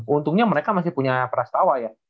untungnya mereka masih punya perasaan tawa ya